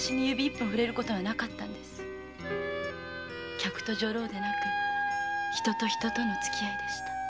客と女郎ではなく人と人とのつきあいでした。